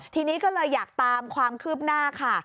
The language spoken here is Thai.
ทีนี้ก็เลยอยากตามความคืบหน้าค่ะ